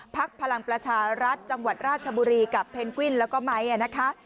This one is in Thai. พลังประชารัฐจังหวัดราชบุรีกับเพนกวินแล้วก็ไม้นะคะ